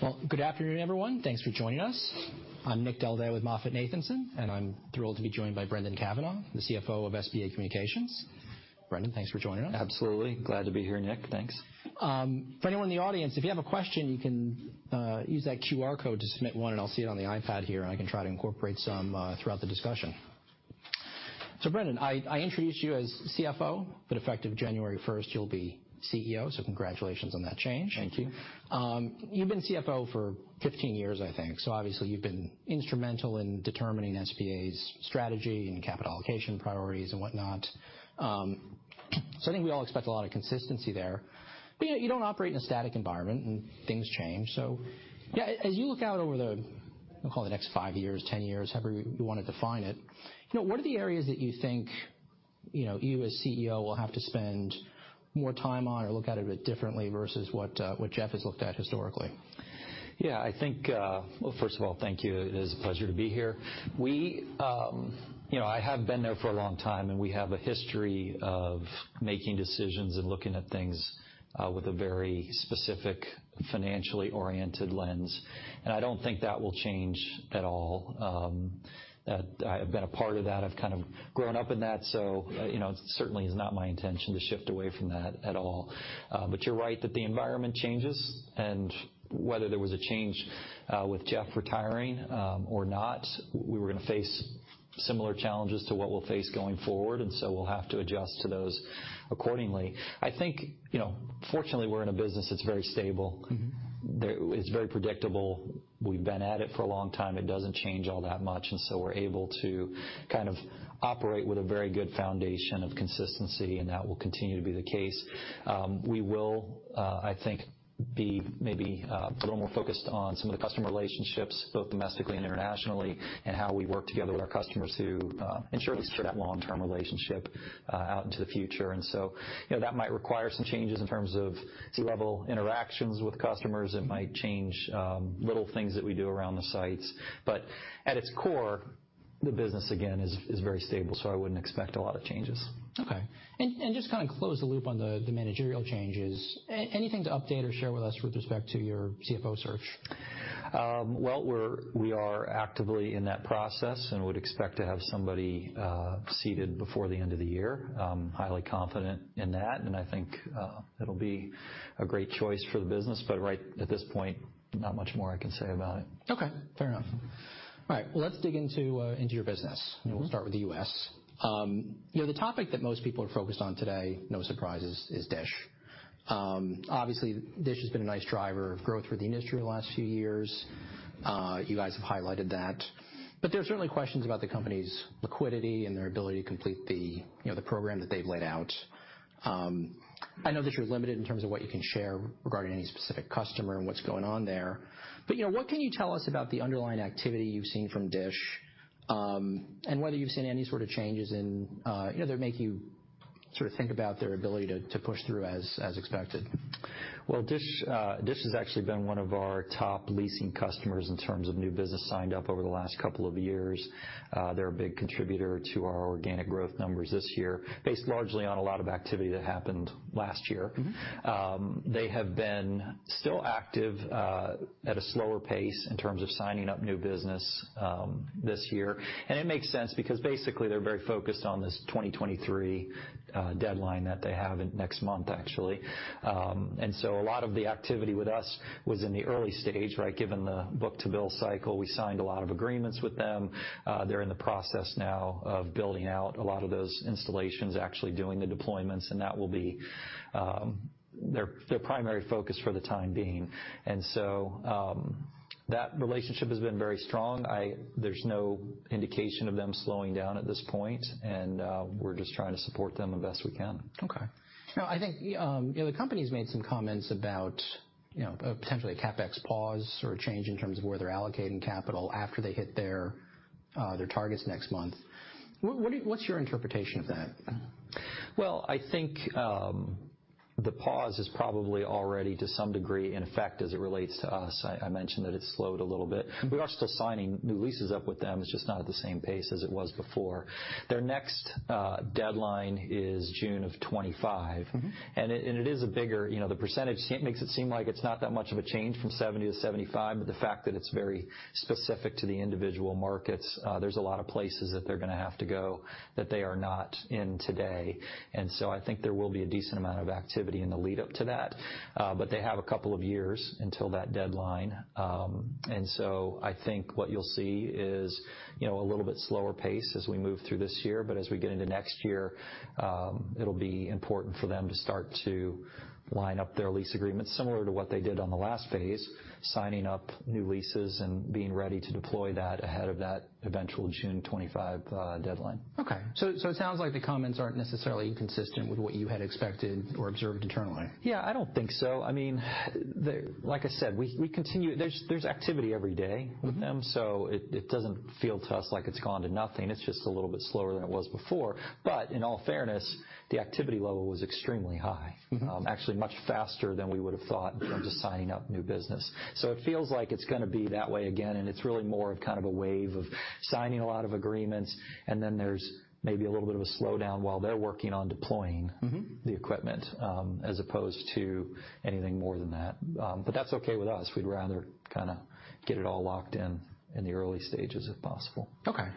Well, good afternoon, everyone. Thanks for joining us. I'm Nick Del Deo with MoffettNathanson, I'm thrilled to be joined by Brendan Cavanagh, the CFO of SBA Communications. Brendan, thanks for joining us. Absolutely. Glad to be here, Nick. Thanks. For anyone in the audience, if you have a question, you can use that QR code to submit one, and I'll see it on the iPad here, and I can try to incorporate some throughout the discussion. Brendan, I introduced you as CFO, but effective January first, you'll be CEO, so congratulations on that change. Thank you. You've been CFO for 15 years, I think, so obviously you've been instrumental in determining SBA's strategy and capital allocation priorities and whatnot. I think we all expect a lot of consistency there. You know, you don't operate in a static environment, and things change. As you look out over the, we'll call it next 5 years, 10 years, however you wanna define it, you know, what are the areas that you think, you know, you as CEO will have to spend more time on or look at it a bit differently versus what Jeff has looked at historically? Yeah, I think. Well, first of all, thank you. It is a pleasure to be here. We, you know, I have been there for a long time, and we have a history of making decisions and looking at things, with a very specific financially oriented lens, and I don't think that will change at all. That I have been a part of that. I've kind of grown up in that, so, you know, it certainly is not my intention to shift away from that at all. You're right that the environment changes. Whether there was a change, with Jeff retiring, or not, we were gonna face similar challenges to what we'll face going forward, and so we'll have to adjust to those accordingly. I think, you know, fortunately, we're in a business that's very stable. Mm-hmm. It's very predictable. We've been at it for a long time. It doesn't change all that much, we're able to kind of operate with a very good foundation of consistency, and that will continue to be the case. We will, I think, be maybe a little more focused on some of the customer relationships, both domestically and internationally, and how we work together with our customers to ensure we secure that long-term relationship out into the future. You know, that might require some changes in terms of C-level interactions with customers. It might change little things that we do around the sites. At its core, the business, again, is very stable, so I wouldn't expect a lot of changes. Okay. Just kind of close the loop on the managerial changes. Anything to update or share with us with respect to your CFO search? Well, we are actively in that process and would expect to have somebody seated before the end of the year. I'm highly confident in that, and I think it'll be a great choice for the business. Right at this point, not much more I can say about it. Okay, fair enough. All right. Let's dig into your business. Mm-hmm. We'll start with the U.S. You know, the topic that most people are focused on today, no surprises, is Dish. Obviously Dish has been a nice driver of growth for the industry in the last few years. You guys have highlighted that. There's certainly questions about the company's liquidity and their ability to complete the, you know, the program that they've laid out. I know that you're limited in terms of what you can share regarding any specific customer and what's going on there. You know, what can you tell us about the underlying activity you've seen from Dish, and whether you've seen any sort of changes in, you know, that make you sort of think about their ability to push through as expected? Well, Dish has actually been one of our top leasing customers in terms of new business signed up over the last couple of years. They're a big contributor to our organic growth numbers this year, based largely on a lot of activity that happened last year. Mm-hmm. They have been still active at a slower pace in terms of signing up new business this year. It makes sense because basically they're very focused on this 2023 deadline that they have next month, actually. A lot of the activity with us was in the early stage, right? Given the book-to-bill cycle, we signed a lot of agreements with them. They're in the process now of building out a lot of those installations, actually doing the deployments, and that will be their primary focus for the time being. That relationship has been very strong. There's no indication of them slowing down at this point, and we're just trying to support them the best we can. Now, I think, you know, the company's made some comments about, you know, potentially a CapEx pause or a change in terms of where they're allocating capital after they hit their targets next month. What's your interpretation of that? Well, I think, the pause is probably already to some degree in effect as it relates to us. I mentioned that it slowed a little bit. We are still signing new leases up with them. It's just not at the same pace as it was before. Their next deadline is June of 2025. Mm-hmm. It is a bigger. You know, the percentage makes it seem like it's not that much of a change from 70% to 75%, but the fact that it's very specific to the individual markets, there's a lot of places that they're gonna have to go that they are not in today. I think there will be a decent amount of activity in the lead-up to that, but they have a couple of years until that deadline. I think what you'll see is, you know, a little bit slower pace as we move through this year. As we get into next year, it'll be important for them to start to line up their lease agreements similar to what they did on the last phase, signing up new leases and being ready to deploy that ahead of that eventual June 2025 deadline. Okay. It sounds like the comments aren't necessarily inconsistent with what you had expected or observed internally? Yeah, I don't think so. I mean, Like I said, we continue. There's activity every day with them, so it doesn't feel to us like it's gone to nothing. It's just a little bit slower than it was before. In all fairness, the activity level was extremely high. Mm-hmm. Actually much faster than we would have thought in terms of signing up new business. It feels like it's gonna be that way again. It's really more of kind of a wave of signing a lot of agreements. Then there's maybe a little bit of a slowdown while they're working on deploying the equipment, as opposed to anything more than that. That's okay with us. We'd rather kinda get it all locked in in the early stages if possible. Okay.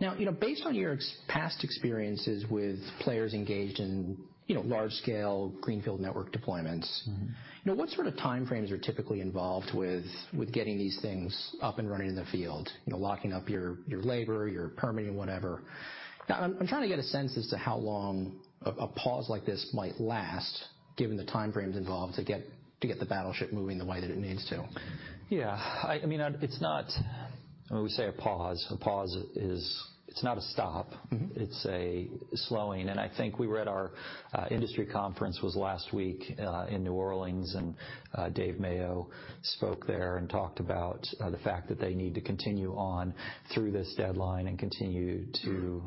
Now, you know, based on your past experiences with players engaged in, you know, large-scale greenfield network deployments, you know, what sort of timeframes are typically involved with getting these things up and running in the field? You know, locking up your labor, your permitting, whatever. I'm trying to get a sense as to how long a pause like this might last given the timeframes involved to get the battleship moving the way that it needs to. I mean, it's not... When we say a pause, a pause is... It's not a stop. Mm-hmm. It's a slowing. I think we were at our industry conference was last week in New Orleans, and Dave Mayo spoke there and talked about the fact that they need to continue on through this deadline and continue to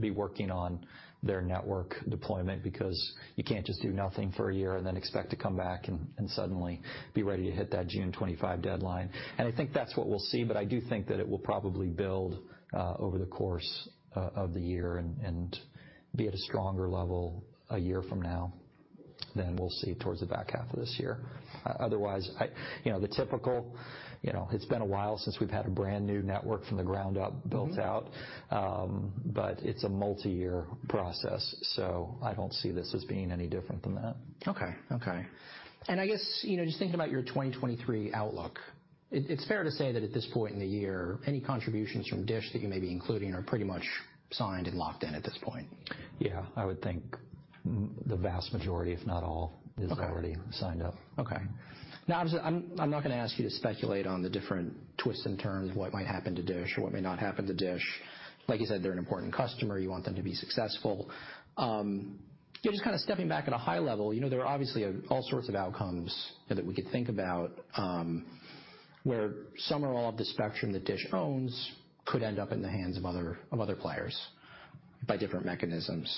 be working on their network deployment because you can't just do nothing for a year and then expect to come back and suddenly be ready to hit that June 2025 deadline. I think that's what we'll see, but I do think that it will probably build over the course of the year and be at a stronger level a year from now than we'll see towards the back half of this year. Otherwise, I. You know, the typical, you know, it's been a while since we've had a brand-new network from the ground up built out. It's a multiyear process, so I don't see this as being any different than that. Okay. Okay. I guess, you know, just thinking about your 2023 outlook, it's fair to say that at this point in the year, any contributions from Dish that you may be including are pretty much signed and locked in at this point. Yeah. I would think the vast majority, if not all, is already signed up. Okay. Now, obviously, I'm not gonna ask you to speculate on the different twists and turns, what might happen to Dish or what may not happen to Dish. Like you said, they're an important customer. You want them to be successful. Yeah, just kinda stepping back at a high level, you know, there are obviously all sorts of outcomes, you know, that we could think about, where some or all of the spectrum that Dish owns could end up in the hands of other players by different mechanisms.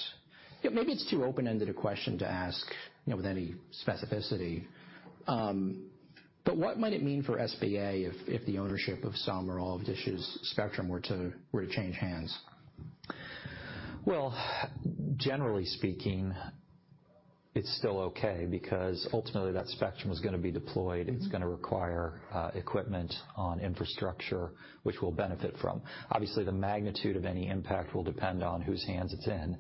You know, maybe it's too open-ended a question to ask, you know, with any specificity, what might it mean for SBA if the ownership of some or all of Dish's spectrum were to change hands? Well, generally speaking, it's still okay because ultimately that spectrum is gonna be deployed. Mm-hmm. It's gonna require equipment on infrastructure which we'll benefit from. Obviously, the magnitude of any impact will depend on whose hands it's in.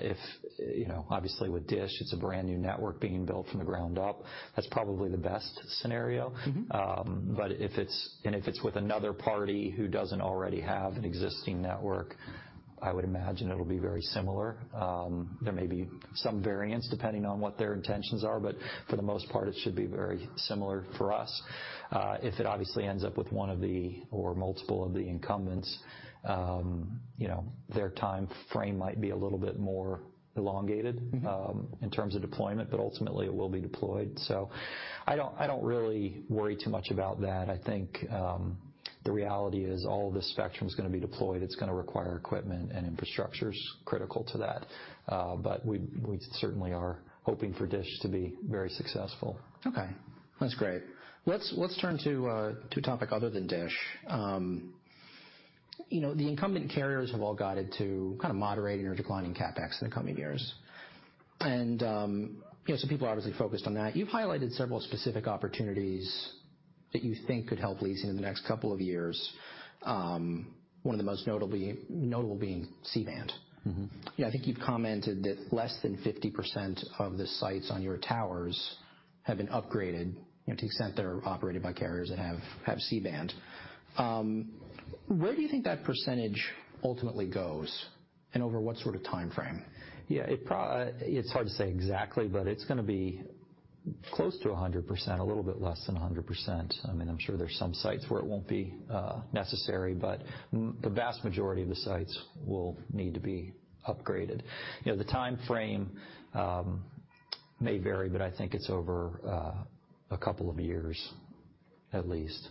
If, you know, obviously with Dish it's a brand-new network being built from the ground up. That's probably the best scenario. If it's with another party who doesn't already have an existing network, I would imagine it'll be very similar. There may be some variance depending on what their intentions are, but for the most part it should be very similar for us. If it obviously ends up with one of the or multiple of the incumbents, their timeframe might be a little bit more elongated. Mm-hmm. In terms of deployment, but ultimately it will be deployed. I don't really worry too much about that. I think, the reality is all the spectrum's gonna be deployed. It's gonna require equipment, and infrastructure's critical to that. We certainly are hoping for Dish to be very successful. Okay. That's great. Let's turn to a, to a topic other than Dish. You know, the incumbent carriers have all guided to kind of moderating or declining CapEx in the coming years. You know, some people are obviously focused on that. You've highlighted several specific opportunities that you think could help leasing in the next couple of years, one of the most notable being C-band. Mm-hmm. You know, I think you've commented that less than 50% of the sites on your towers have been upgraded, you know, to the extent they're operated by carriers that have C-band. Where do you think that percentage ultimately goes and over what sort of timeframe? Yeah. It's hard to say exactly, but it's gonna be close to 100%, a little bit less than 100%. I mean, I'm sure there's some sites where it won't be necessary, but the vast majority of the sites will need to be upgraded. You know, the timeframe may vary, but I think it's over a couple of years at least.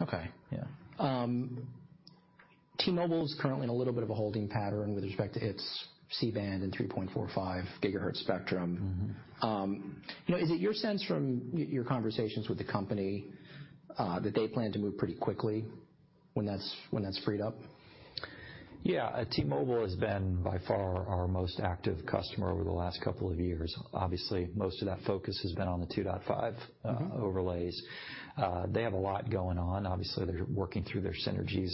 Okay. Yeah. T-Mobile's currently in a little bit of a holding pattern with respect to its C-band and 3.45 GHz spectrum. Mm-hmm. You know, is it your sense from your conversations with the company, that they plan to move pretty quickly when that's freed up? Yeah. T-Mobile has been by far our most active customer over the last couple of years. Obviously, most of that focus has been on the 2.5 overlays. They have a lot going on. Obviously, they're working through their synergies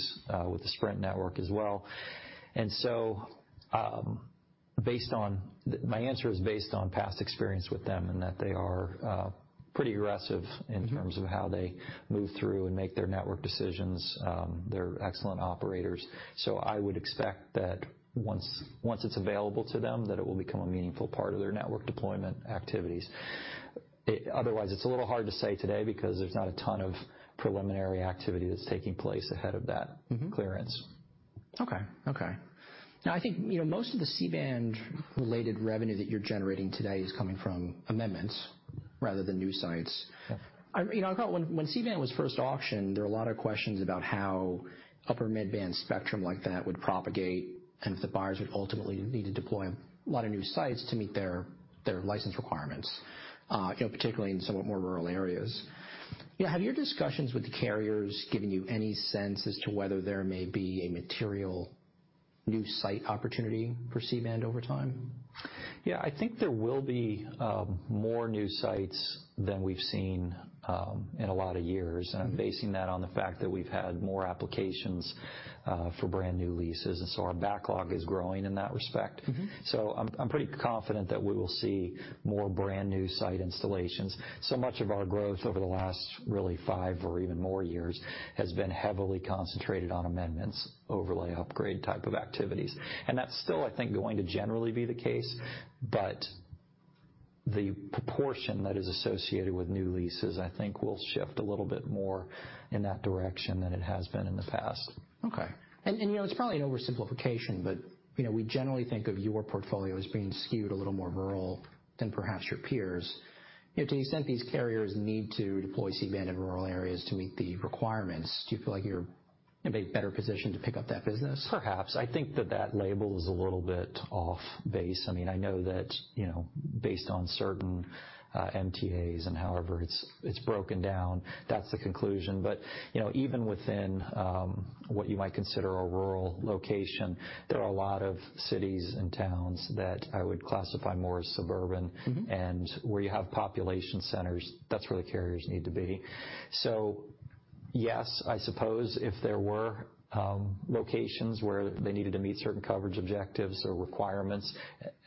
with the Sprint network as well. My answer is based on past experience with them in that they are pretty aggressive In terms of how they move through and make their network decisions. They're excellent operators. I would expect that once it's available to them, that it will become a meaningful part of their network deployment activities. Otherwise, it's a little hard to say today because there's not a ton of preliminary activity that's taking place ahead of that clearance. Okay. Okay. I think, you know, most of the C-band related revenue that you're generating today is coming from amendments rather than new sites. Yeah. You know, I thought when C-band was first auctioned, there were a lot of questions about how upper mid-band spectrum like that would propagate and if the buyers would ultimately need to deploy a lot of new sites to meet their license requirements, you know, particularly in somewhat more rural areas. Have your discussions with the carriers given you any sense as to whether there may be a material new site opportunity for C-band over time? Yeah, I think there will be more new sites than we've seen in a lot of years. Mm-hmm. I'm basing that on the fact that we've had more applications, for brand-new leases, and so our backlog is growing in that respect. Mm-hmm. I'm pretty confident that we will see more brand-new site installations. Much of our growth over the last really five or even more years has been heavily concentrated on amendments, overlay upgrade type of activities. That's still, I think, going to generally be the case, but the proportion that is associated with new leases I think will shift a little bit more in that direction than it has been in the past. Okay. And you know, it's probably an oversimplification, but, you know, we generally think of your portfolio as being skewed a little more rural than perhaps your peers. You know, to the extent these carriers need to deploy C-band in rural areas to meet the requirements, do you feel like you're in a better position to pick up that business? Perhaps. I think that that label is a little bit off base. I mean, I know that, you know, based on certain MTAs and however it's broken down, that's the conclusion. You know, even within what you might consider a rural location, there are a lot of cities and towns that I would classify more as suburban. Mm-hmm. Where you have population centers, that's where the carriers need to be. Yes, I suppose if there were locations where they needed to meet certain coverage objectives or requirements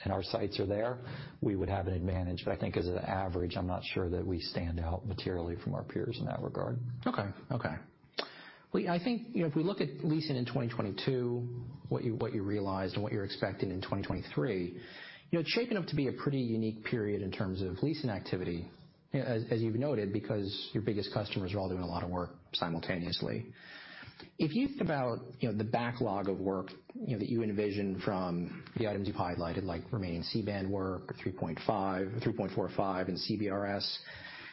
and our sites are there, we would have an advantage. I think as an average, I'm not sure that we stand out materially from our peers in that regard. Okay. Okay. Well yeah, I think, you know, if we look at leasing in 2022, what you realized and what you're expecting in 2023, you know, it's shaping up to be a pretty unique period in terms of leasing activity, you know, as you've noted, because your biggest customers are all doing a lot of work simultaneously. If you think about, you know, the backlog of work, you know, that you envision from the items you've highlighted, like remaining C-band work or 3.5 GHz or 3.45 GHz and CBRS,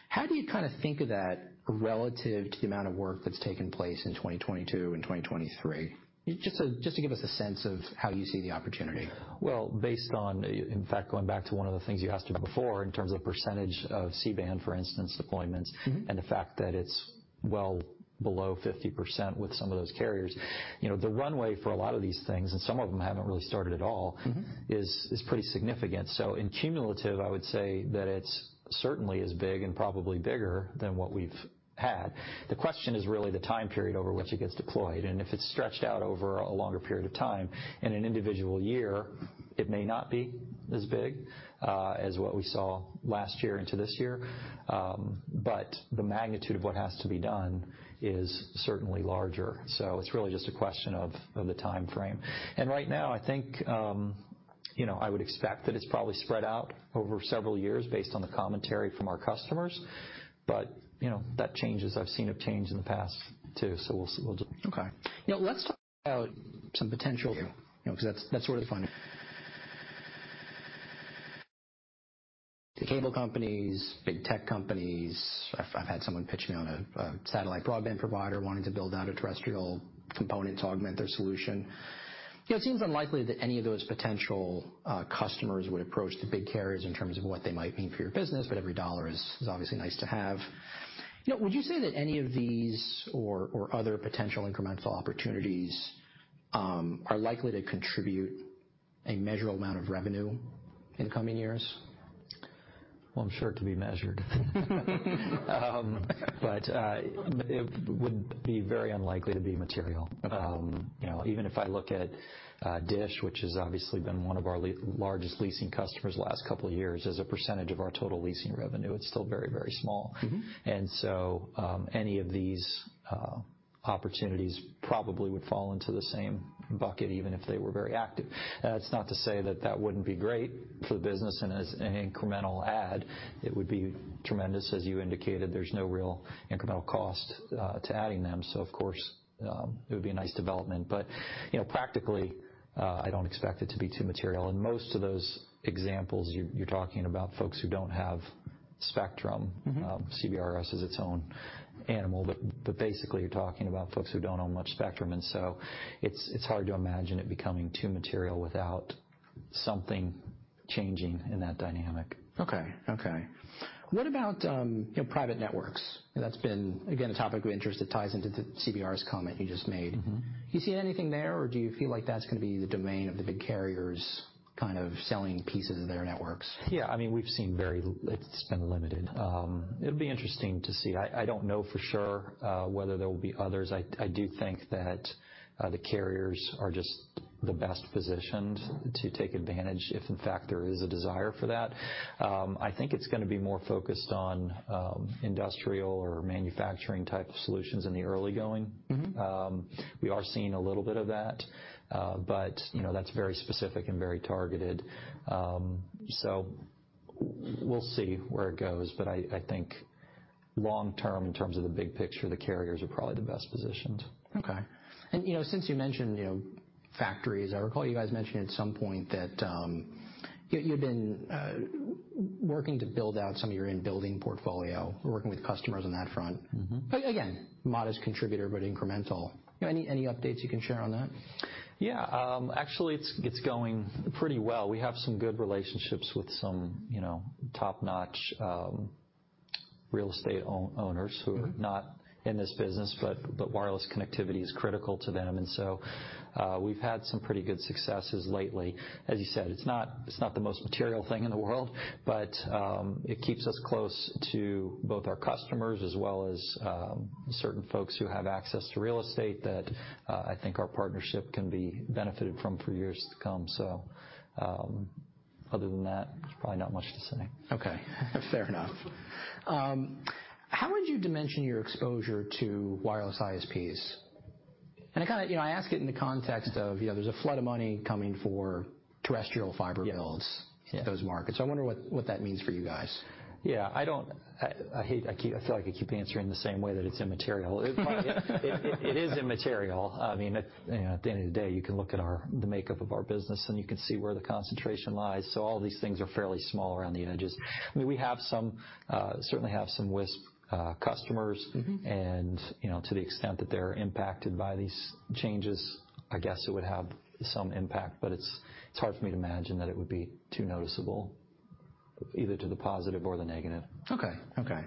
how do you kinda think of that relative to the amount of work that's taken place in 2022 and 2023? Just to give us a sense of how you see the opportunity. Well, based on, in fact, going back to one of the things you asked me before in terms of percentage of C-band, for instance, deployments the fact that it's well below 50% with some of those carriers, you know, the runway for a lot of these things, and some of them haven't really started at all is pretty significant. In cumulative, I would say that it's certainly as big and probably bigger than what we've had. The question is really the time period over which it gets deployed. If it's stretched out over a longer period of time, in an individual year it may not be as big as what we saw last year into this year. The magnitude of what has to be done is certainly larger. It's really just a question of the timeframe. Right now I think, you know, I would expect that it's probably spread out over several years based on the commentary from our customers. You know, that changes. I've seen it change in the past too, we'll see. Okay. You know, let's talk about some potentials... Yeah... you know, 'cause that's sort of fun. The cable companies, big tech companies. I've had someone pitching on a satellite broadband provider wanting to build out a terrestrial component to augment their solution. You know, it seems unlikely that any of those potential customers would approach the big carriers in terms of what they might mean for your business, but every dollar is obviously nice to have. You know, would you say that any of these or other potential incremental opportunities are likely to contribute a measurable amount of revenue in the coming years? I'm sure it can be measured. It would be very unlikely to be material. You know, even if I look at Dish, which has obviously been one of our largest leasing customers the last couple of years, as a percentage of our total leasing revenue, it's still very, very small. Mm-hmm. Any of these opportunities probably would fall into the same bucket, even if they were very active. That's not to say that that wouldn't be great for the business. As an incremental add, it would be tremendous. As you indicated, there's no real incremental cost to adding them, so of course, it would be a nice development. You know, practically, I don't expect it to be too material. Most of those examples, you're talking about folks who don't have spectrum. CBRS is its own animal. Basically you're talking about folks who don't own much spectrum, and so it's hard to imagine it becoming too material without something changing in that dynamic. Okay. Okay. What about, you know, private networks? That's been, again, a topic of interest that ties into the CBRS comment you just made. Mm-hmm. Do you see anything there, or do you feel like that's gonna be the domain of the big carriers kind of selling pieces of their networks? Yeah. I mean, it's been limited. It'll be interesting to see. I don't know for sure whether there will be others. I do think that the carriers are just the best positioned to take advantage if in fact there is a desire for that. I think it's gonna be more focused on industrial or manufacturing type of solutions in the early going. We are seeing a little bit of that, but you know, that's very specific and very targeted. We'll see where it goes, but I think long term, in terms of the big picture, the carriers are probably the best positioned. Okay. You know, since you mentioned, you know, factories, I recall you guys mentioning at some point that you'd been working to build out some of your in-building portfolio. Working with customers on that front. Mm-hmm. And again, modest contributor, but incremental. Any updates you can share on that? Yeah. Actually it's going pretty well. We have some good relationships with some, you know, top-notch real estate owners who are not in this business, but wireless connectivity is critical to them. We've had some pretty good successes lately. As you said, it's not the most material thing in the world, but it keeps us close to both our customers as well as certain folks who have access to real estate that I think our partnership can be benefited from for years to come. Other than that, there's probably not much to say. Okay. Fair enough. How would you dimension your exposure to wireless ISPs? You know, I ask it in the context of, you know, there's a flood of money coming for terrestrial fiber builds in those markets. I wonder what that means for you guys. Yeah. I feel like I keep answering the same way, that it's immaterial. It is immaterial. I mean, you know, at the end of the day, you can look at our, the makeup of our business and you can see where the concentration lies. All these things are fairly small around the edges. I mean, we have some, certainly have some WISP customers. Mm-hmm. You know, to the extent that they're impacted by these changes, I guess it would have some impact, but it's hard for me to imagine that it would be too noticeable, either to the positive or the negative. Okay. Okay.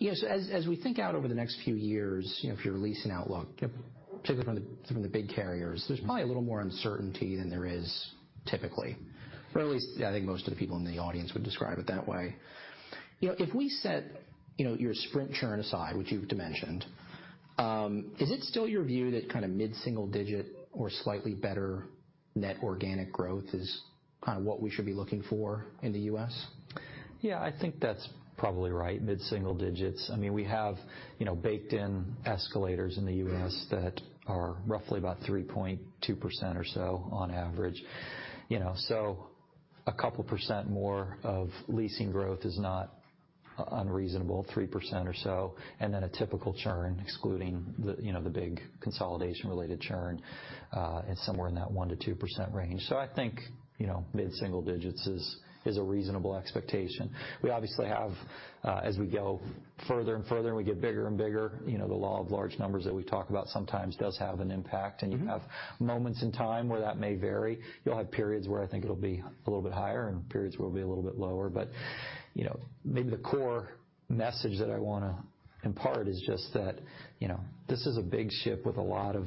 You know, as we think out over the next few years, you know, for your leasing outlook particularly from the big carriers, there's probably a little more uncertainty than there is typically. At least, I think most of the people in the audience would describe it that way. You know, if we set, you know, your Sprint churn aside, which you've dimensioned, is it still your view that kinda mid-single digit or slightly better net organic growth is kinda what we should be looking for in the U.S.? Yeah, I think that's probably right, mid-single digits. I mean, we have, you know, baked in escalators in the U.S. that are roughly about 3.2% or so on average. You know, a couple percent more of leasing growth is not unreasonable, 3% or so, and then a typical churn, excluding the, you know, the big consolidation-related churn, is somewhere in that 1%-2% range. I think, you know, mid-single digits is a reasonable expectation. We obviously have, as we go further and further and we get bigger and bigger, you know, the law of large numbers that we talk about sometimes does have an impact. Mm-hmm. You have moments in time where that may vary. You'll have periods where I think it'll be a little bit higher and periods where it'll be a little bit lower. You know, maybe the core message that I wanna impart is just that, you know, this is a big ship with a lot of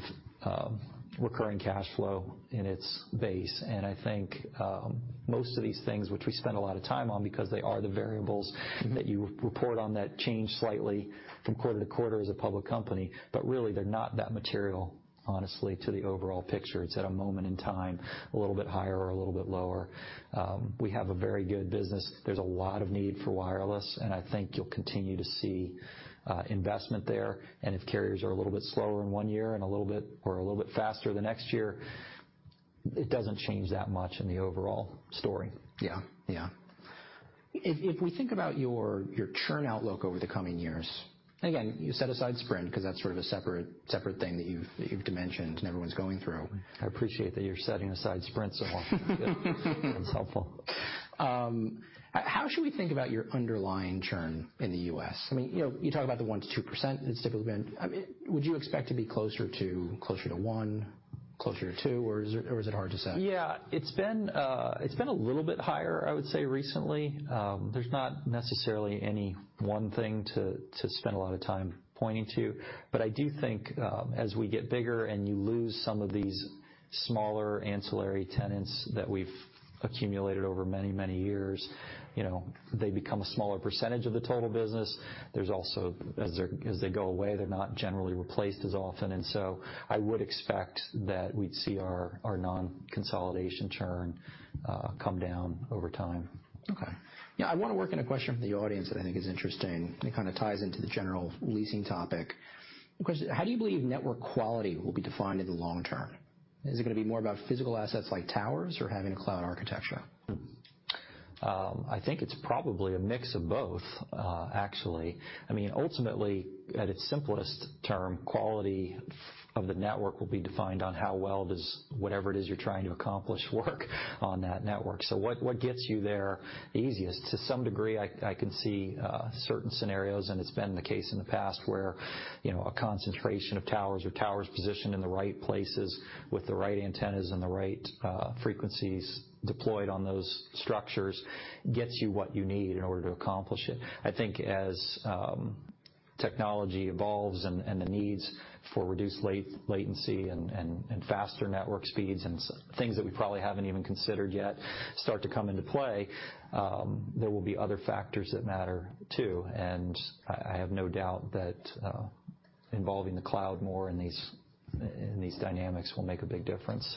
recurring cash flow in its base. I think, most of these things which we spend a lot of time on because they are the variables that you report on that change slightly from quarter to quarter as a public company, but really they're not that material, honestly, to the overall picture. It's at a moment in time, a little bit higher or a little bit lower. We have a very good business. There's a lot of need for wireless, and I think you'll continue to see investment there. If carriers are a little bit slower in one year and a little bit faster the next year, it doesn't change that much in the overall story. Yeah. If we think about your churn outlook over the coming years, again, you set aside Sprint 'cause that's sort of a separate thing that you've dimensioned and everyone's going through. I appreciate that you're setting aside Sprint so often. That's helpful. How should we think about your underlying churn in the U.S.? I mean, you know, you talk about the 1%-2% it's typically been. Would you expect to be closer to 1%, closer to 2%, or is it hard to say? Yeah. It's been a little bit higher, I would say, recently. There's not necessarily any one thing to spend a lot of time pointing to. I do think, as we get bigger and you lose some of these smaller ancillary tenants that we've accumulated over many, many years, you know, they become a smaller percentage of the total business. There's also, as they go away, they're not generally replaced as often. I would expect that we'd see our non-consolidation churn come down over time. Okay. Yeah, I wanna work in a question from the audience that I think is interesting. It kinda ties into the general leasing topic. The question, how do you believe network quality will be defined in the long term? Is it gonna be more about physical assets like towers or having cloud architecture? I think it's probably a mix of both, actually. I mean ultimately, at its simplest term, quality of the network will be defined on how well does whatever it is you're trying to accomplish work on that network. What gets you there easiest? To some degree, I can see certain scenarios, and it's been the case in the past where, you know, a concentration of towers or towers positioned in the right places with the right antennas and the right frequencies deployed on those structures gets you what you need in order to accomplish it. I think as technology evolves and the needs for reduced latency and faster network speeds and things that we probably haven't even considered yet start to come into play, there will be other factors that matter too. I have no doubt that involving the cloud more in these dynamics will make a big difference.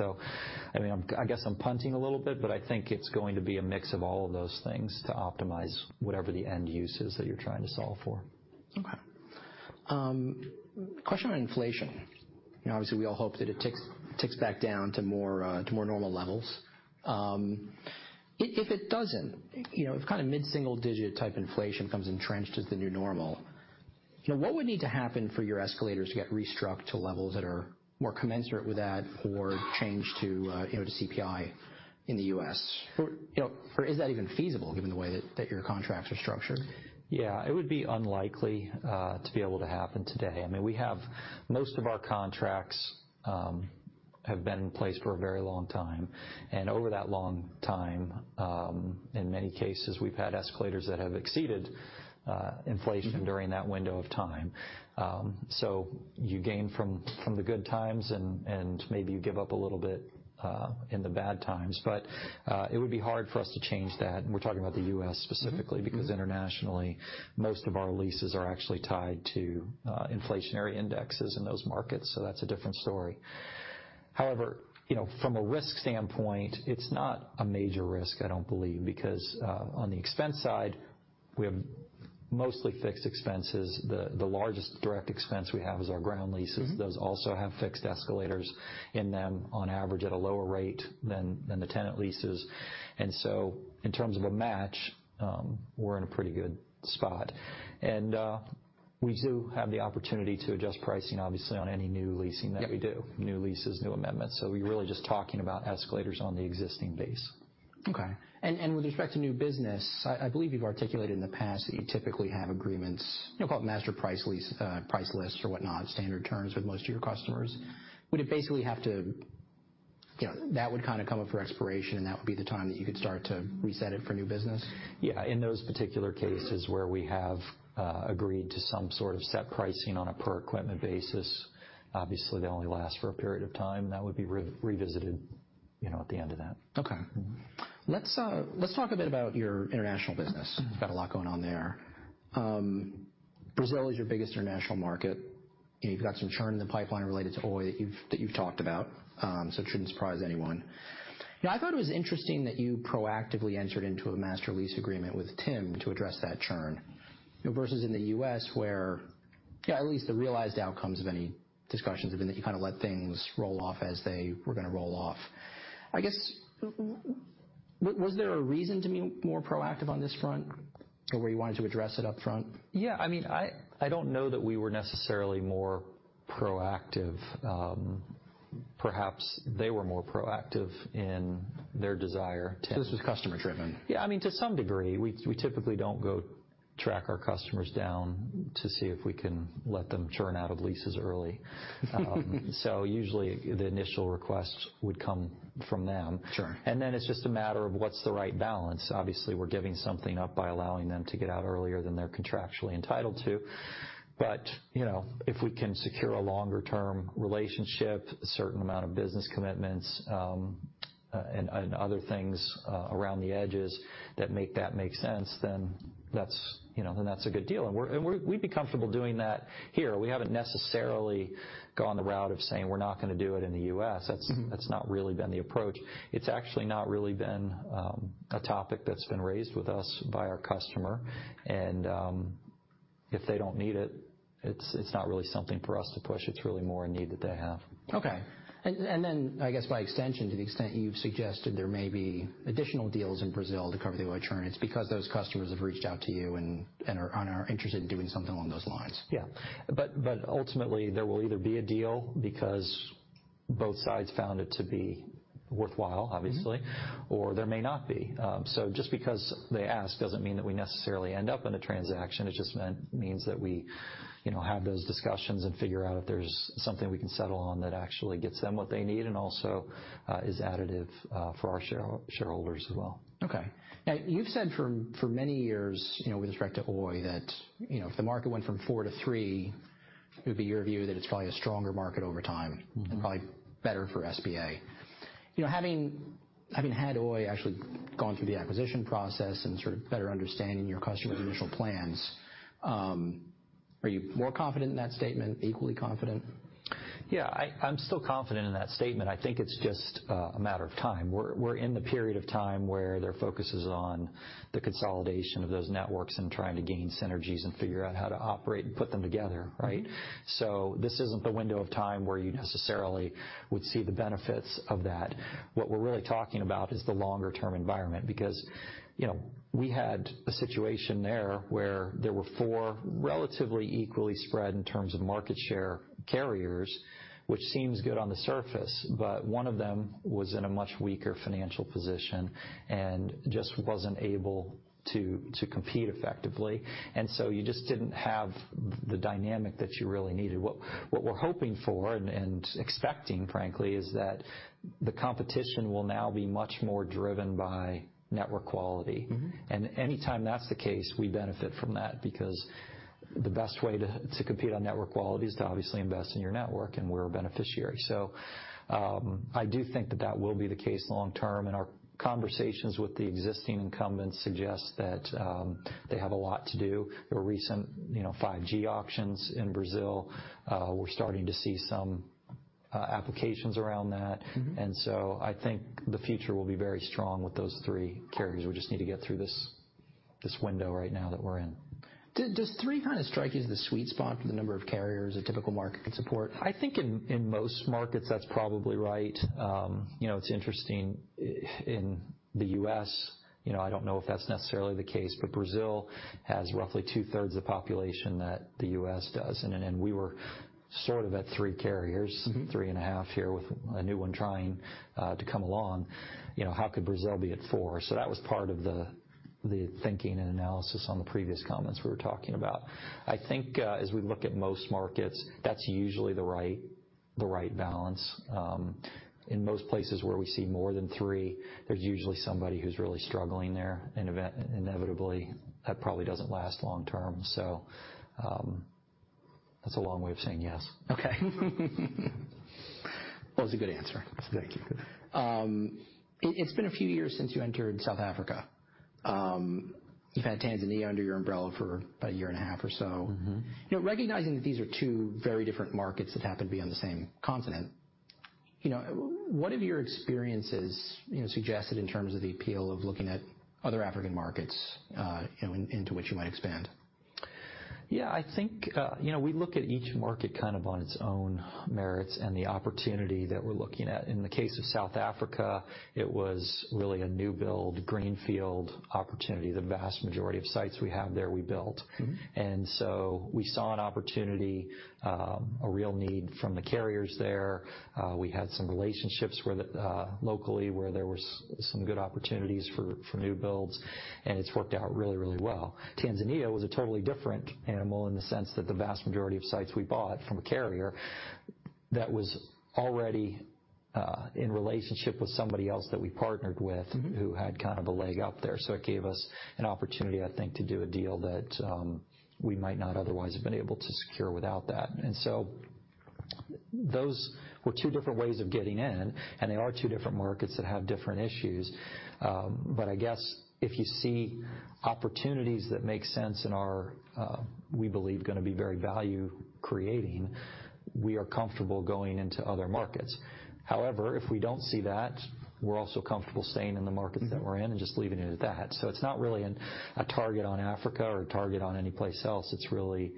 I mean, I guess I'm punting a little bit, but I think it's going to be a mix of all of those things to optimize whatever the end use is that you're trying to solve for. Okay. Question on inflation. You know, obviously we all hope that it ticks back down to more, to more normal levels. If it doesn't, you know, if kinda mid-single digit type inflation comes entrenched as the new normal, you know, what would need to happen for your escalators to get re-struck to levels that are more commensurate with that or change to, you know, to CPI in the U.S.? Is that even feasible given the way that your contracts are structured? Yeah. It would be unlikely to be able to happen today. I mean, we have most of our contracts, have been in place for a very long time. Over that long time, in many cases, we've had escalators that have exceeded inflation during that window of time. You gain from the good times and maybe you give up a little bit in the bad times. It would be hard for us to change that, and we're talking about the U.S. specifically. Mm-hmm. Because Internationally, most of our leases are actually tied to inflationary indexes in those markets. That's a different story. However, you know, from a risk standpoint, it's not a major risk, I don't believe, because on the expense side, we have mostly fixed expenses. The largest direct expense we have is our ground leases. Mm-hmm. Those also have fixed escalators in them on average at a lower rate than the tenant leases. In terms of a match, we're in a pretty good spot. We do have the opportunity to adjust pricing, obviously, on any new leasing that we do. New leases, new amendments. We're really just talking about escalators on the existing base. Okay. With respect to new business, I believe you've articulated in the past that you typically have agreements, you know, called Master Lease Agreement, price lists or whatnot, standard terms with most of your customers. Would it basically, you know, that would kinda come up for expiration, and that would be the time that you could start to reset it for new business? Yeah. In those particular cases where we have agreed to some sort of set pricing on a per equipment basis, obviously they only last for a period of time. That would be revisited, you know, at the end of that. Okay. Let's talk a bit about your international business. You've got a lot going on there. Brazil is your biggest international market, and you've got some churn in the pipeline related to Oi that you've talked about, so it shouldn't surprise anyone. Now, I thought it was interesting that you proactively entered into a Master Lease Agreement with TIM to address that churn, you know, versus in the U.S. where at least the realized outcomes of any discussions have been that you kinda let things roll off as they were gonna roll off. I guess was there a reason to be more proactive on this front or where you wanted to address it up front? Yeah. I mean, I don't know that we were necessarily more proactive. Perhaps they were more proactive in their desire. This was customer driven? Yeah. I mean, to some degree. We typically don't go track our customers down to see if we can let them churn out of leases early. Usually the initial requests would come from them. Sure. Then it's just a matter of what's the right balance. Obviously, we're giving something up by allowing them to get out earlier than they're contractually entitled to. You know, if we can secure a longer term relationship, a certain amount of business commitments, and other things around the edges that make sense, then that's, you know, then that's a good deal. We'd be comfortable doing that here. We haven't necessarily gone the route of saying we're not gonna do it in the U.S. Mm-hmm. That's not really been the approach. It's actually not really been a topic that's been raised with us by our customer. If they don't need it's not really something for us to push. It's really more a need that they have. Okay. Then, I guess, by extension, to the extent you've suggested there may be additional deals in Brazil to cover the Oi churn, it's because those customers have reached out to you and are interested in doing something along those lines. Yeah. Ultimately, there will either be a deal because both sides found it to be worthwhile, obviously. Mm-hmm. There may not be. Just because they ask doesn't mean that we necessarily end up in a transaction. It just means that we, you know, have those discussions and figure out if there's something we can settle on that actually gets them what they need and also is additive for our shareholders as well. Okay. Now, you've said for many years, you know, with respect to Oi, that, you know, if the market went from four to three, it would be your view that it's probably a stronger market over time. Mm-hmm. Probably better for SBA. You know, having had Oi actually going through the acquisition process and sort of better understanding your customers' initial plans, are you more confident in that statement? Equally confident? Yeah. I'm still confident in that statement. I think it's just a matter of time. We're in the period of time where their focus is on the consolidation of those networks and trying to gain synergies and figure out how to operate and put them together, right? This isn't the window of time where you necessarily would see the benefits of that. What we're really talking about is the longer term environment, because, you know, we had a situation there where there were four relatively equally spread in terms of market share carriers, which seems good on the surface, but one of them was in a much weaker financial position and just wasn't able to compete effectively. You just didn't have the dynamic that you really needed. What we're hoping for and expecting, frankly, is that the competition will now be much more driven by network quality. Mm-hmm. Anytime that's the case, we benefit from that because the best way to compete on network quality is to obviously invest in your network, and we're a beneficiary. I do think that that will be the case long term, and our conversations with the existing incumbents suggest that they have a lot to do. The recent, you know, 5G auctions in Brazil, we're starting to see some applications around that. Mm-hmm. I think the future will be very strong with those three carriers. We just need to get through this window right now that we're in. Does three kinda strike you as the sweet spot for the number of carriers a typical market could support? I think in most markets that's probably right. you know, it's interesting, in the U.S., you know, I don't know if that's necessarily the case, but Brazil has roughly two-thirds the population that the U.S. does. We were sort of at three carriers. 3.5 here, with a new one trying to come along. You know, how could Brazil be at four? That was part of the thinking and analysis on the previous comments we were talking about. I think, as we look at most markets, that's usually the right balance. In most places where we see more than three, there's usually somebody who's really struggling there, and inevitably, that probably doesn't last long term. That's a long way of saying yes. Okay. Well, it was a good answer. Thank you. It's been a few years since you entered South Africa. You've had Tanzania under your umbrella for about a year and a half or so. Mm-hmm. You know, recognizing that these are two very different markets that happen to be on the same continent, you know, what have your experiences, you know, suggested in terms of the appeal of looking at other African markets, you know, into which you might expand? Yeah. I think, you know, we look at each market kind of on its own merits and the opportunity that we're looking at. In the case of South Africa, it was really a new build, greenfield opportunity. The vast majority of sites we have there, we built. Mm-hmm. We saw an opportunity, a real need from the carriers there. We had some relationships where the locally, where there was some good opportunities for new builds, and it's worked out really, really well. Tanzania was a totally different animal in the sense that the vast majority of sites we bought from a carrier that was already in relationship with somebody else that we partnered with who had kind of a leg up there. It gave us an opportunity, I think, to do a deal that we might not otherwise have been able to secure without that. Those were two different ways of getting in, and they are two different markets that have different issues. I guess if you see opportunities that make sense and are, we believe going to be very value-creating, we are comfortable going into other markets. However, if we don't see that, we're also comfortable staying in the markets that we're in and just leaving it at that. It's not really a target on Africa or a target on any place else. It's really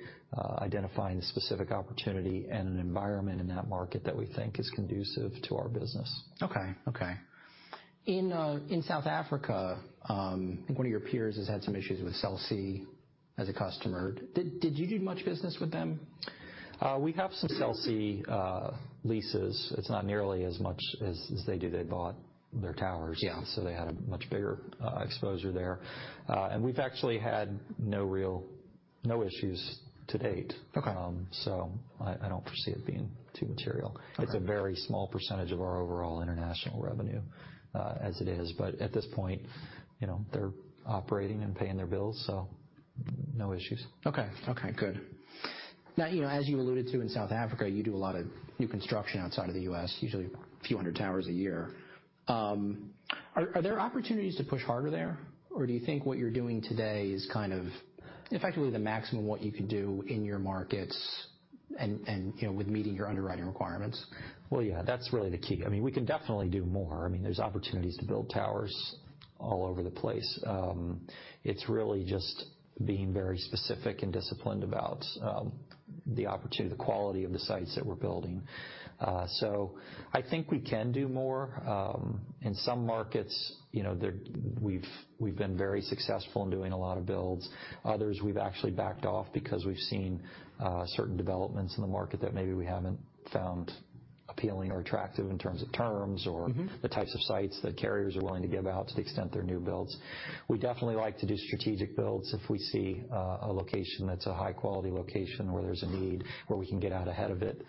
identifying the specific opportunity and an environment in that market that we think is conducive to our business. Okay. Okay. In, in South Africa, I think one of your peers has had some issues with Cell C as a customer. Did you do much business with them? We have some Cell C leases. It's not nearly as much as they do. They bought their towers. They had a much bigger exposure there. We've actually had no issues to date. I don't foresee it being too material. It's a very small percentage of our overall international revenue, as it is, but at this point, you know, they're operating and paying their bills, so no issues. Okay. Okay, good. You know, as you alluded to in South Africa, you do a lot of new construction outside of the U.S., usually a few hundreds towers a year. Are there opportunities to push harder there, or do you think what you're doing today is kind of effectively the maximum what you could do in your markets and, you know, with meeting your underwriting requirements? Well, yeah, that's really the key. I mean, we can definitely do more. I mean, there's opportunities to build towers all over the place. It's really just being very specific and disciplined about, the opportunity, the quality of the sites that we're building. I think we can do more, in some markets. You know, we've been very successful in doing a lot of builds. Others, we've actually backed off because we've seen, certain developments in the market that maybe we haven't found appealing or attractive in terms of terms or the types of sites that carriers are willing to give out to the extent they're new builds. We definitely like to do strategic builds. If we see a location that's a high-quality location where there's a need where we can get out ahead of it,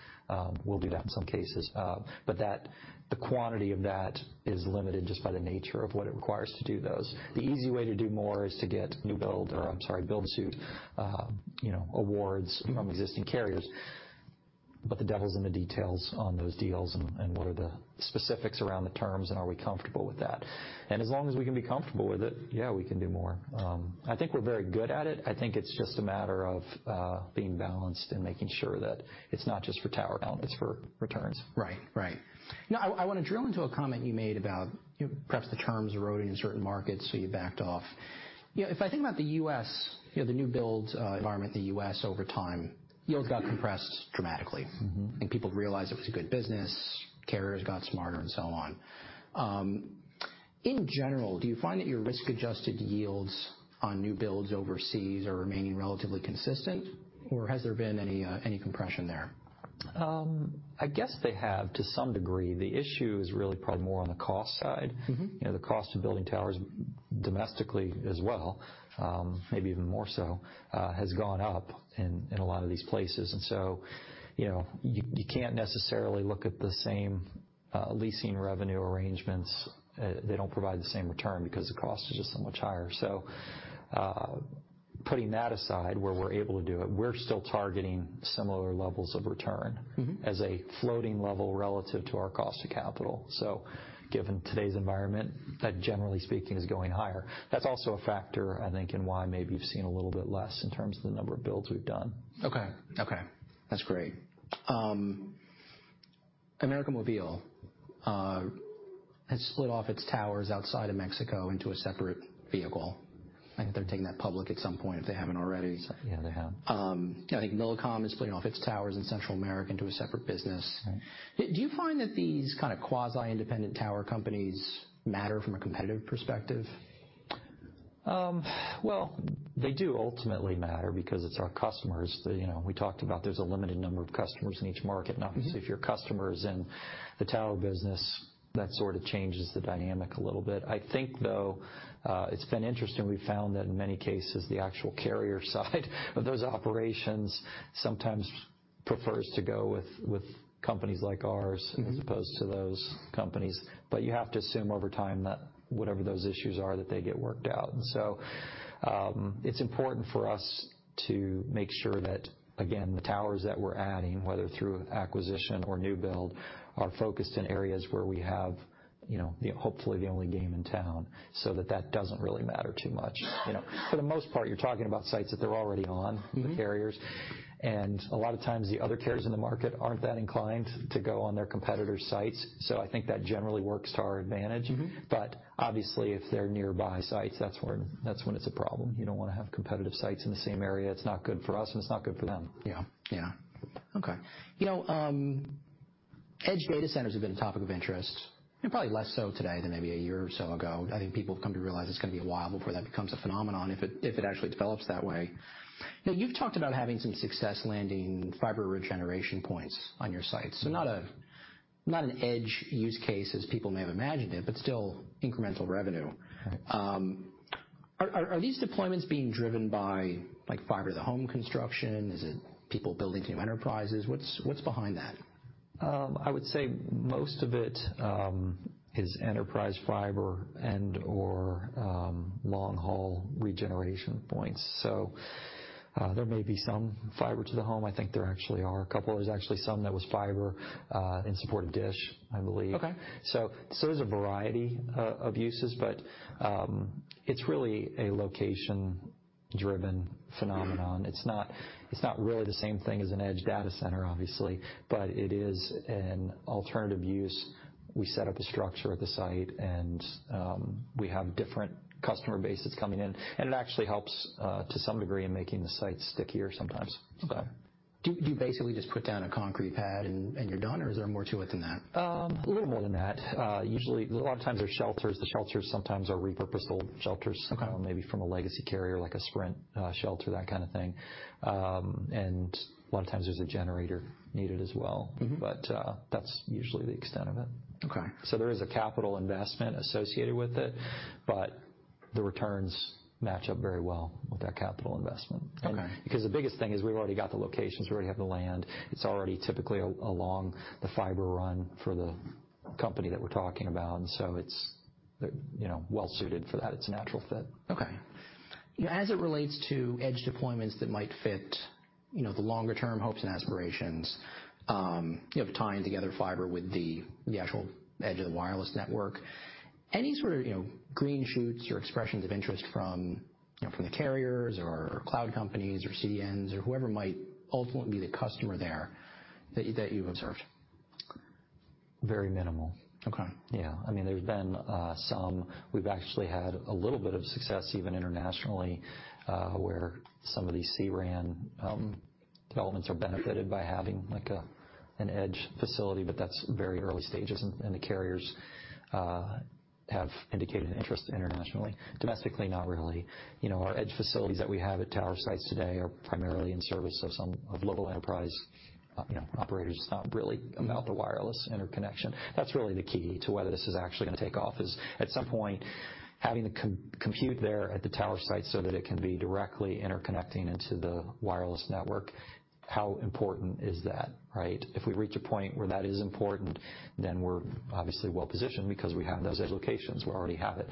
we'll do that in some cases. The quantity of that is limited just by the nature of what it requires to do those. The easy way to do more is to get new build or, I'm sorry, build-to-suit, you know, awards from existing carriers. The devil's in the details on those deals and what are the specifics around the terms, and are we comfortable with that? As long as we can be comfortable with it, yeah, we can do more. I think we're very good at it. I think it's just a matter of being balanced and making sure that it's not just for tower count, it's for returns. Right. Right. I wanna drill into a comment you made about, you know, perhaps the terms eroding in certain markets, so you backed off. You know, if I think about the U.S., you know, the new builds environment in the U.S. over time, yields got compressed dramatically. Mm-hmm. People realized it was a good business, carriers got smarter, and so on. In general, do you find that your risk-adjusted yields on new builds overseas are remaining relatively consistent, or has there been any compression there? I guess they have to some degree. The issue is really probably more on the cost side. You know, the cost of building towers domestically as well, maybe even more so, has gone up in a lot of these places. You know, you can't necessarily look at the same leasing revenue arrangements. They don't provide the same return because the cost is just so much higher. Putting that aside, where we're able to do it, we're still targeting similar levels of return. Mm-hmm As a floating level relative to our cost of capital. Given today's environment, that generally speaking, is going higher. That's also a factor, I think, in why maybe you've seen a little bit less in terms of the number of builds we've done. Okay, that's great. América Móvil has split off its towers outside of Mexico into a separate vehicle. I think they're taking that public at some point if they haven't already. Yeah, they have. I think Millicom is splitting off its towers in Central America into a separate business. Do you find that these kind of quasi-independent tower companies matter from a competitive perspective? They do ultimately matter because it's our customers. You know, we talked about there's a limited number of customers in each market. Obviously, if your customer is in the tower business, that sort of changes the dynamic a little bit. I think, though, it's been interesting. We've found that in many cases, the actual carrier side of those operations sometimes prefers to go with companies like ours as opposed to those companies. You have to assume over time that whatever those issues are, that they get worked out. It's important for us to make sure that, again, the towers that we're adding, whether through acquisition or new build, are focused in areas where we have, you know, hopefully the only game in town, so that that doesn't really matter too much. You know, for the most part, you're talking about sites that they're already on. Mm-hmm... the carriers, and a lot of times, the other carriers in the market aren't that inclined to go on their competitors' sites. I think that generally works to our advantage. But obviously, if they're nearby sites, that's when, that's when it's a problem. You don't wanna have competitive sites in the same area. It's not good for us, and it's not good for them. Yeah. Yeah. Okay. You know, edge data centers have been a topic of interest, and probably less so today than maybe a year or so ago. I think people have come to realize it's gonna be a while before that becomes a phenomenon, if it actually develops that way. Now, you've talked about having some success landing fiber regeneration points on your sites. Not a, not an edge use case as people may have imagined it, but still incremental revenue. Are these deployments being driven by, like, fiber to the home construction? Is it people building new enterprises? What's behind that? I would say most of it is enterprise fiber and/or long-haul regeneration points. There may be some fiber to the home. I think there actually are a couple. There's actually some that was fiber in support of Dish, I believe. Okay. There's a variety of uses, but it's really a location-driven phenomenon. It's not really the same thing as an edge data center, obviously, but it is an alternative use. We set up the structure of the site, and we have different customer bases coming in, and it actually helps to some degree in making the site stickier sometimes. Okay. Do you basically just put down a concrete pad and you're done, or is there more to it than that? A little more than that. A lot of times they're shelters. The shelters sometimes are repurposed old shelters. Maybe from a legacy carrier, like a Sprint, shelter, that kind of thing. A lot of times there's a generator needed as well. Mm-hmm. That's usually the extent of it. Okay. There is a capital investment associated with it, but the returns match up very well with that capital investment. Okay. Because the biggest thing is we've already got the locations, we already have the land. It's already typically along the fiber run for the company that we're talking about, and so it's, you know, well suited for that. It's a natural fit. As it relates to edge deployments that might fit, you know, the longer term hopes and aspirations, you know, tying together fiber with the actual edge of the wireless network, any sort of, you know, green shoots or expressions of interest from, you know, the carriers or cloud companies or CDNs or whoever might ultimately be the customer there that you've observed? Very minimal. Okay. I mean, there's been some. We've actually had a little bit of success even internationally, where some of these C-RAN developments are benefited by having, like, an edge facility, but that's very early stages. The carriers have indicated an interest internationally. Domestically, not really. You know, our edge facilities that we have at tower sites today are primarily in service of local enterprise, you know, operators. It's not really about the wireless interconnection. That's really the key to whether this is actually gonna take off, is at some point, having the compute there at the tower site so that it can be directly interconnecting into the wireless network, how important is that, right? If we reach a point where that is important, then we're obviously well-positioned because we have those edge locations. We already have it.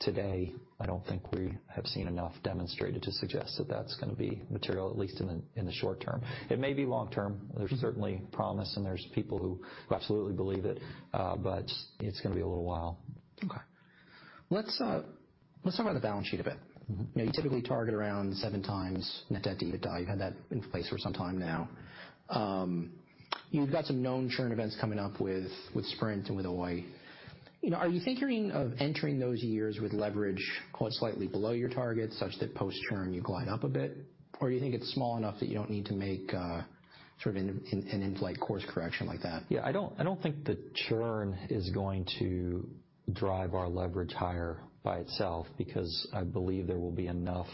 Today, I don't think we have seen enough demonstrated to suggest that that's gonna be material, at least in the, in the short term. It may be long term. There's certainly promise, and there's people who absolutely believe it. It's gonna be a little while. Okay. Let's, let's talk about the balance sheet a bit. Mm-hmm. You know, you typically target around 7x net debt to EBITDA. You've had that in place for some time now. You've got some known churn events coming up with Sprint and with Hawaii. You know, are you thinking of entering those years with leverage quite slightly below your target, such that post-churn you glide up a bit? Or do you think it's small enough that you don't need to make sort of an in-flight course correction like that? I don't think the churn is going to drive our leverage higher by itself, because I believe there will be enough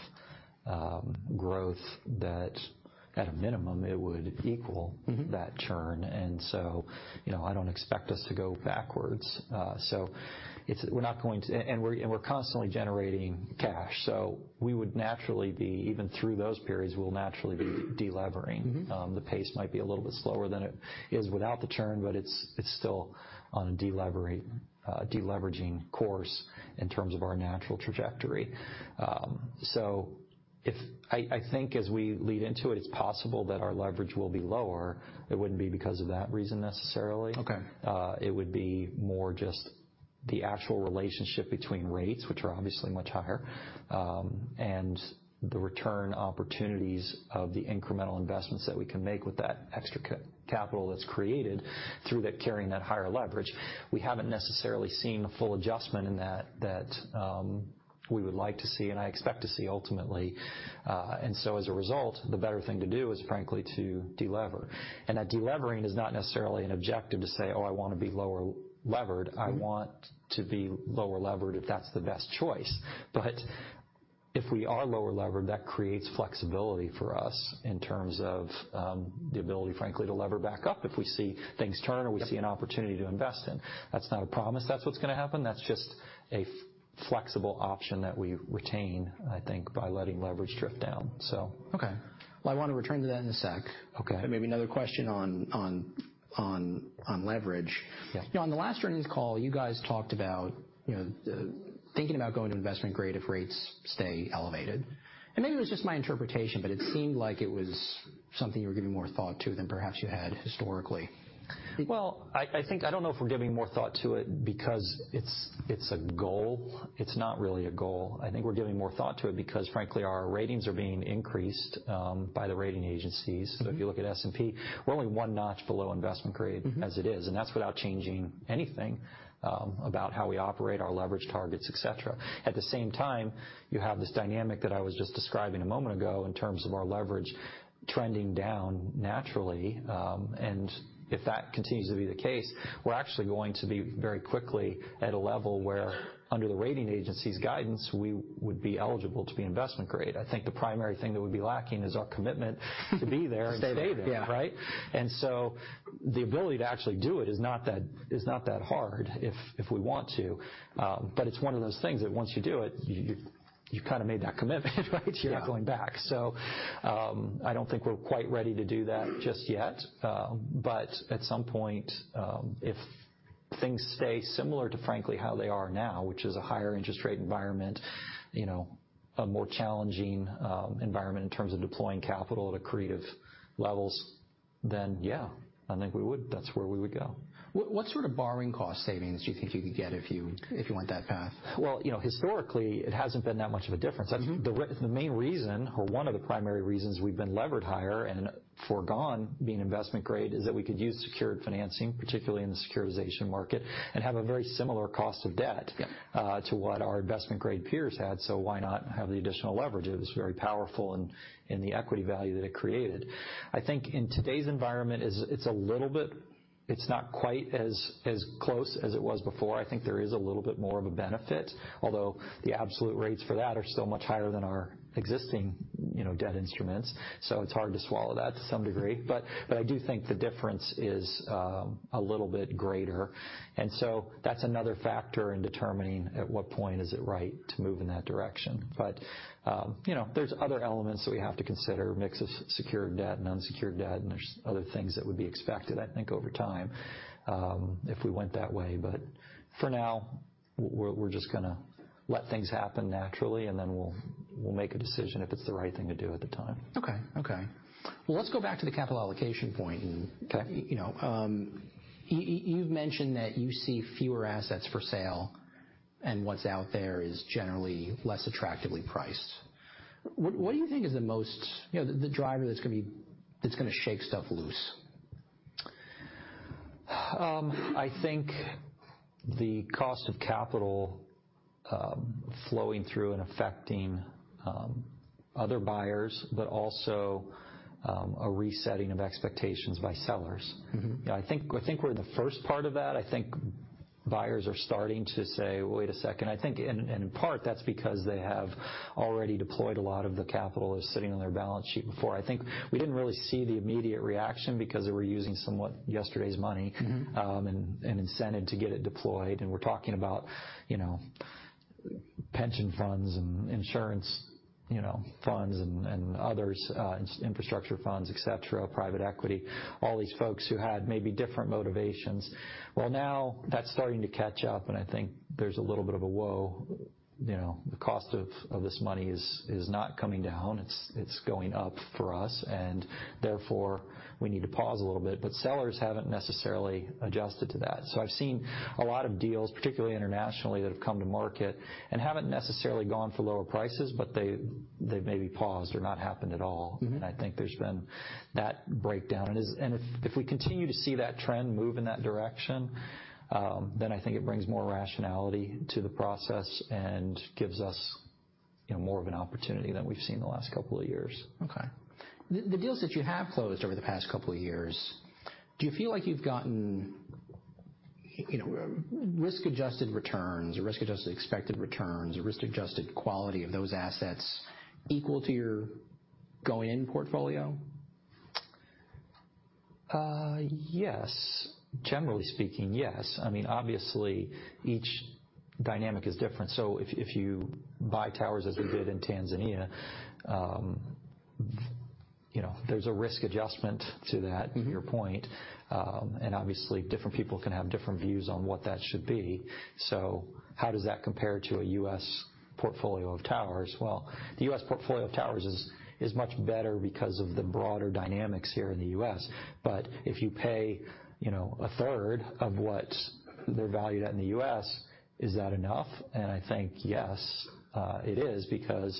growth that at a minimum, it would equal that churn. You know, I don't expect us to go backwards. We're constantly generating cash, so we would naturally be, even through those periods, we'll naturally be de-levering. Mm-hmm. The pace might be a little bit slower than it is without the churn, but it's still on a delevering de-leveraging course in terms of our natural trajectory. I think as we lead into it's possible that our leverage will be lower. It wouldn't be because of that reason, necessarily. Okay. It would be more just the actual relationship between rates, which are obviously much higher, and the return opportunities of the incremental investments that we can make with that extra capital that's created through that carrying that higher leverage. We haven't necessarily seen the full adjustment in that, we would like to see and I expect to see ultimately. As a result, the better thing to do is frankly to de-lever. That de-levering is not necessarily an objective to say, "Oh, I wanna be lower levered. I want to be lower levered if that's the best choice. If we are lower levered, that creates flexibility for us in terms of the ability, frankly, to lever back up if we see things turn we see an opportunity to invest in. That's not a promise that's what's gonna happen. That's just a flexible option that we retain, I think, by letting leverage drift down, so. Okay. Well, I wanna return to that in a sec. Okay. Maybe another question on leverage. Yeah. You know, on the last earnings call, you guys talked about, you know, thinking about going to investment grade if rates stay elevated. Maybe it was just my interpretation, but it seemed like it was something you were giving more thought to than perhaps you had historically. Well, I think, I don't know if we're giving more thought to it because it's a goal. It's not really a goal. I think we're giving more thought to it because, frankly, our ratings are being increased, by the rating agencies. If you look at S&P, we're only one notch below investment grade as it is, and that's without changing anything about how we operate our leverage targets, et cetera. At the same time, you have this dynamic that I was just describing a moment ago in terms of our leverage trending down naturally. If that continues to be the case, we're actually going to be very quickly at a level where under the rating agency's guidance, we would be eligible to be investment grade. I think the primary thing that we'd be lacking is our commitment to be there and stay there. Stay there. Right? The ability to actually do it is not that hard if we want to. It's one of those things that once you do it, you've kinda made that commitment, right? Yeah. You're not going back. I don't think we're quite ready to do that just yet. At some point, if things stay similar to, frankly, how they are now, which is a higher interest rate environment, you know, a more challenging, environment in terms of deploying capital at accretive levels, then yeah, I think we would. That's where we would go. What sort of borrowing cost savings do you think you could get if you went that path? Well, you know, historically, it hasn't been that much of a difference. Mm-hmm. The main reason or one of the primary reasons we've been levered higher and forgone being investment grade is that we could use secured financing, particularly in the securitization market, and have a very similar cost of debt. Yeah. To what our investment grade peers had, so why not have the additional leverage? It was very powerful in the equity value that it created. I think in today's environment it's a little bit... It's not quite as close as it was before. I think there is a little bit more of a benefit, although the absolute rates for that are still much higher than our existing, you know, debt instruments, so it's hard to swallow that to some degree. I do think the difference is a little bit greater. That's another factor in determining at what point is it right to move in that direction. But you know, there's other elements that we have to consider, mix of secured debt and unsecured debt, and there's other things that would be expected, I think, over time, if we went that way. For now, we're just gonna let things happen naturally, and then we'll make a decision if it's the right thing to do at the time. Okay. Well, let's go back to the capital allocation point. You know, you've mentioned that you see fewer assets for sale and what's out there is generally less attractively priced. What do you think is the most, you know, the driver that's gonna shake stuff loose? I think the cost of capital, flowing through and affecting, other buyers, but also, a resetting of expectations by sellers. Mm-hmm. Yeah, I think we're in the first part of that. I think buyers are starting to say, "Wait a second." I think in part that's because they have already deployed a lot of the capital that's sitting on their balance sheet before. I think we didn't really see the immediate reaction because they were using somewhat yesterday's money-. Mm-hmm. Incentive to get it deployed. We're talking about, you know, pension funds and insurance, you know, funds and others, infrastructure funds, et cetera, private equity, all these folks who had maybe different motivations. Now that's starting to catch up, and I think there's a little bit of a, "Whoa, you know, the cost of this money is not coming down. It's going up for us, and therefore we need to pause a little bit." Sellers haven't necessarily adjusted to that. I've seen a lot of deals, particularly internationally, that have come to market and haven't necessarily gone for lower prices, but they maybe paused or not happened at all. Mm-hmm. I think there's been that breakdown. If we continue to see that trend move in that direction, then I think it brings more rationality to the process and gives us, you know, more of an opportunity than we've seen the last couple of years. Okay. The deals that you have closed over the past couple of years, do you feel like you've gotten, you know, risk-adjusted returns or risk-adjusted expected returns or risk-adjusted quality of those assets equal to your going-in portfolio? Yes. Generally speaking, yes. I mean, obviously, each dynamic is different. If you buy towers as we did in Tanzania, you know, there's a risk adjustment to that. Mm-hmm. To your point. Obviously, different people can have different views on what that should be. How does that compare to a U.S. portfolio of towers? Well, the U.S. portfolio of towers is much better because of the broader dynamics here in the U.S. If you pay, you know, a third of what they're valued at in the U.S. is that enough? I think yes, it is, because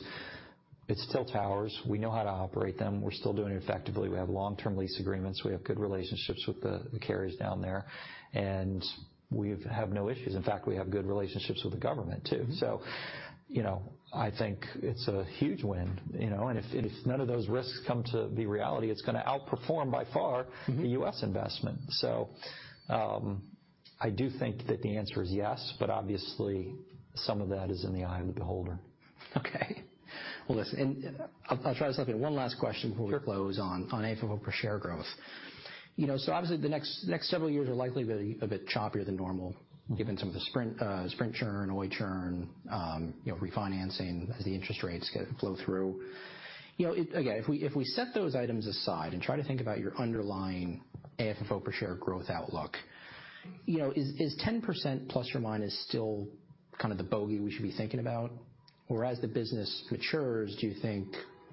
it's still towers. We know how to operate them. We're still doing it effectively. We have long-term lease agreements. We have good relationships with the carriers down there, and we've have no issues. In fact, we have good relationships with the government too. You know, I think it's a huge win, you know. If none of those risks come to be reality, it's gonna outperform by far... Mm-hmm. -the U.S. investment. I do think that the answer is yes, but obviously, some of that is in the eye of the beholder. Okay. Well, listen, and I'll try to slip in one last question before we close on AFFO per share growth. You know, obviously the next several years are likely gonna be a bit choppier than normal. Given some of the Sprint churn, Oi churn, you know, refinancing as the interest rates get flow through. You know, again, if we set those items aside and try to think about your underlying AFFO per share growth outlook, you know, is 10% ± still kind of the bogey we should be thinking about? Or as the business matures, do you think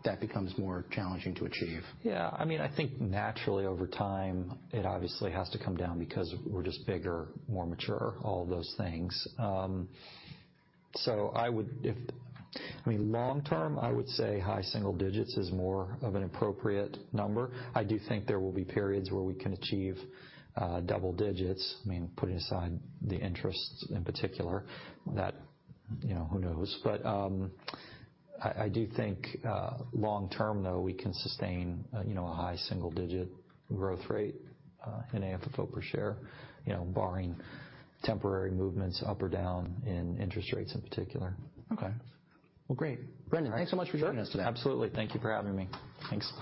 that becomes more challenging to achieve? I mean, I think naturally over time, it obviously has to come down because we're just bigger, more mature, all of those things. I mean, long term, I would say high single digits is more of an appropriate number. I do think there will be periods where we can achieve double digits. I mean, putting aside the interests in particular that, you know, who knows? I do think long term, though, we can sustain, you know, a high single digit growth rate in AFFO per share, you know, barring temporary movements up or down in interest rates in particular. Okay. Well, great. Brendan, thanks so much for joining us today. Sure. Absolutely. Thank you for having me. Thanks.